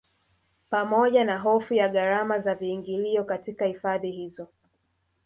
Pamoja na hofu ya gharama za viingilio katika hifadhi hizo